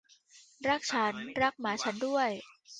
รักฉัน รักหมาฉันด้วย